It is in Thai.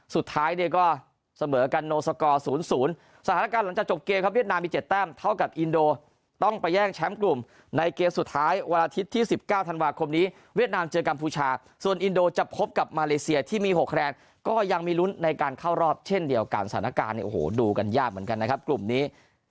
สุดท้ายเนี่ยก็เสมอกันโนสกอร์๐๐สถานการณ์หลังจากจบเกมครับเวียดนามมี๗แต้มเท่ากับอินโดต้องไปแย่งแชมป์กลุ่มในเกมสุดท้ายวันอาทิตย์ที่๑๙ธันวาคมนี้เวียดนามเจอกัมพูชาส่วนอินโดจะพบกับมาเลเซียที่มี๖คะแนนก็ยังมีลุ้นในการเข้ารอบเช่นเดียวกันสถานการณ์เนี่ยโอ้โหดูกันยากเหมือนกันนะครับกลุ่มนี้